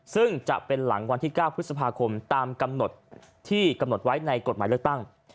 ซึ่งจะเป็นหลังวันที่๙พฤษภาคมตามกำหนดที่กำหนดไว้ในกฎหมายเลือกตั้ง